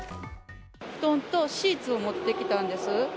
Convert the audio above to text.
布団とシーツを持ってきたんです。